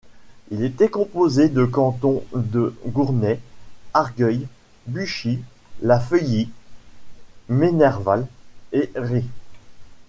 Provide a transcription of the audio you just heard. Il était composé de cantons de Gournay, Argueil, Buchi, la Feuillie, Menerval et Ry.